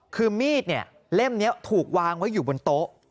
คือมีดเล่มนี้ถูกวางไว้อยู่บนโต๊ะ